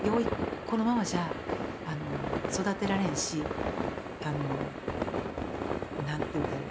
このままじゃ育てられんし何て言うたやろ。